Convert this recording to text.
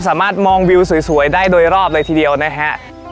สามารถมองวิวสวยได้โดยรอบเลยทีเดียวนะฮะ